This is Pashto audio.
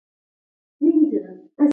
بادام د افغانستان د طبیعي زیرمو برخه ده.